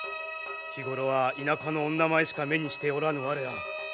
日頃は田舎の女舞いしか目にしておらぬ我ら。